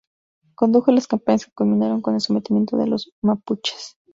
Condujo las campañas que culminaron con el sometimiento de los mapuches.